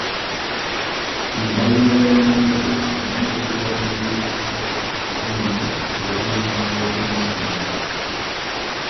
Mu ndabirira ya muwogo olina okukoola mu wiiki ssatu oba nnya oluvannyuma lw'okumusimba.